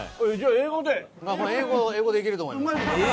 英語でいけると思います。